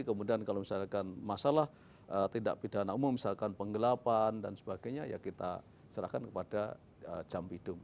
kemudian kalau misalkan masalah tindak pidana umum misalkan penggelapan dan sebagainya ya kita serahkan kepada jam bidung